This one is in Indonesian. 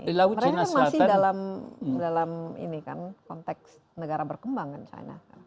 mereka masih dalam konteks negara berkembang kan china